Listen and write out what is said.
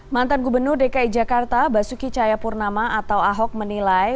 mantan gubernur dki jakarta basuki cayapurnama atau ahok menilai